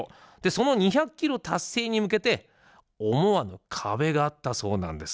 その２００キロ達成に向けて思わぬ壁があったそうなんです。